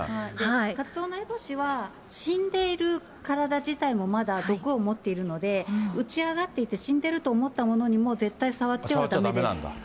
カツオノエボシは、死んでいる体自体もまだ毒を持っているので、打ち上がっていて、死んでると思ったものにも、絶対触ってはだめです。